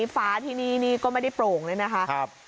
ฟ้าที่นี่นี่ก็ไม่ได้โปร่งเลยนะคะ